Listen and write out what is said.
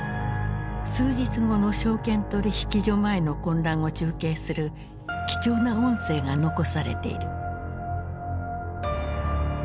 数日後の証券取引所前の混乱を中継する貴重な音声が残されている。